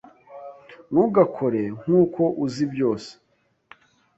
Ntugakore nkuko uzi byose.